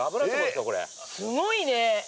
すごいね。